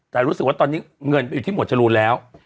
แต่รู้สึกว่าตอนนี้เงินไปอยู่ที่หมวดจรูนแล้ว